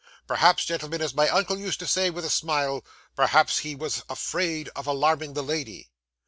Perhaps, gentlemen, as my uncle used to say with a smile, perhaps he was afraid of alarming the lady.